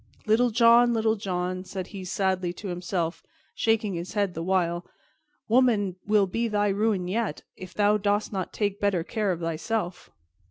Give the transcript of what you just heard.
"Little John! Little John!" said he sadly to himself, shaking his head the while, "woman will be thy ruin yet, if thou dost not take better care of thyself."